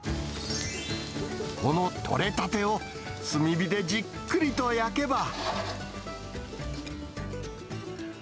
この取れたてを炭火でじっくりと焼けば。